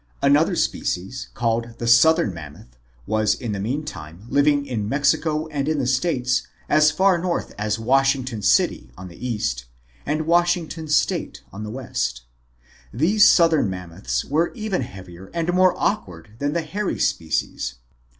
Another species, called the southern Mammoth, was in the meantime living in Mexico and in the states as far north as Washington city on the east and Washington state on the west. These southern Mammoths were even heavier and more awkward than the hairy species.